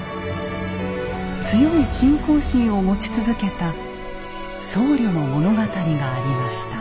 強い信仰心を持ち続けた僧侶の物語がありました。